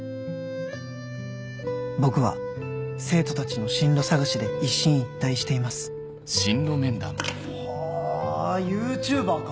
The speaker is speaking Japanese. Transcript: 僕は生徒たちの進路探しで一進一退していますはぁＹｏｕＴｕｂｅｒか。